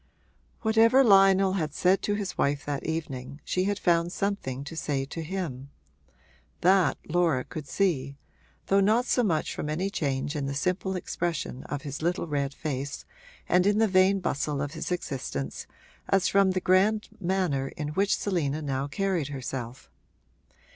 Whatever Lionel had said to his wife that evening she had found something to say to him: that Laura could see, though not so much from any change in the simple expression of his little red face and in the vain bustle of his existence as from the grand manner in which Selina now carried herself.